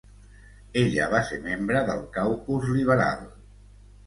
Ella va ser membre del caucus liberal.